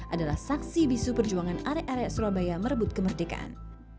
adalah saksi bisu perjuangan are are surabaya merebut kemerdekaan